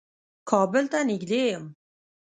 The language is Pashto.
کابل ته نېږدې يم.